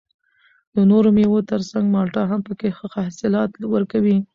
د نورو مېوو تر څنګ مالټه هم پکې ښه حاصلات ورکوي